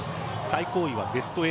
最高位はベスト８。